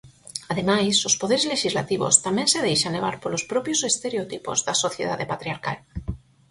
Ademais, os poderes lexislativos tamén se deixan levar polos propios estereotipos da sociedade patriarcal.